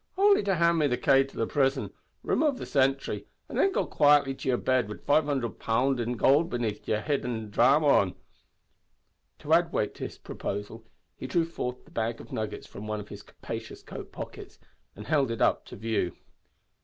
Only to hand me the kay o' the prison, remove the sintry, an' then go quietly to yer bed wid five hundred pound in goold benathe yar hid to drame on." To add weight to his proposal he drew forth the bag of nuggets from one of his capacious coat pockets and held it up to view.